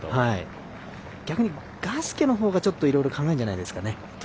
逆に、ガスケのほうがちょっといろいろ考えるんじゃないですかね。